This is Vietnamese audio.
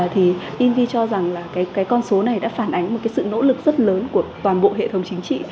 thì hnv cho rằng là cái con số này đã phản ánh một cái sự nỗ lực rất lớn của toàn bộ hệ thống chính trị